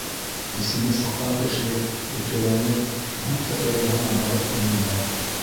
Исеме сыҡҡан кеше өтәләнеп будка тәҙрәһенә барып өңөлә.